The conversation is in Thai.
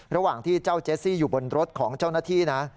ระหว่างที่เจ้าเจสซี่อยู่บนรถของเจ้าหน้าที่นะ